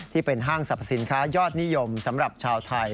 ห้างสรรพสินค้ายอดนิยมสำหรับชาวไทย